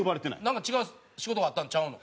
なんか違う仕事があったんちゃうの？